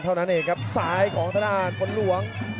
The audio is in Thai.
ตอนนั้นเองครับซ้ายของธนาคต์คนหลวง